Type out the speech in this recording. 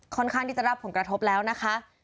ข้างที่จะรับผลกระทบแล้วนะคะ